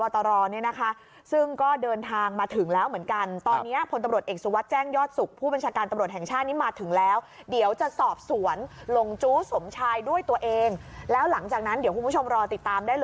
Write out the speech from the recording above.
เตรียมแปลงเลยใช่ไหมฮะถูกต้องค่ะแล้วก็อย่างที่บอกค่ะ